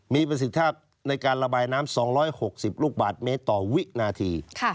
มีประสิทธิภาพในการระบายน้ำ๒๖๐ลูกบาทเมตรต่อวินาที